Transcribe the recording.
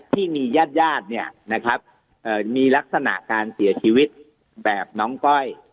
ที่มีญาติญาติมีลักษณะการเสียชีวิตแบบน้องก้อย